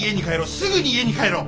すぐに家に帰ろう！